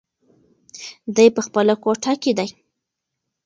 دی په خپله کوټه کې دی.